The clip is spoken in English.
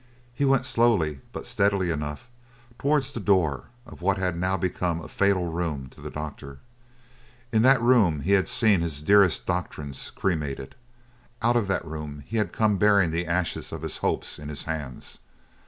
He went slowly, but steadily enough, towards the door of what had now become a fatal room to the doctor. In that room he had seen his dearest doctrines cremated. Out of that room he had come bearing the ashes of his hopes in his hands.